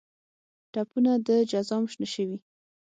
ټپونه د جزام شنه شوي